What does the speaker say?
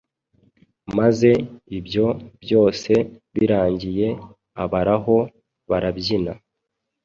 maze ibyo byose birangiye abaraho barabyina